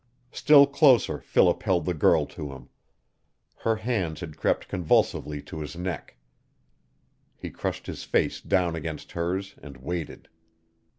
Still closer Philip held the girl to him. Her hands had crept convulsively to his neck. He crushed his face down against hers, and waited.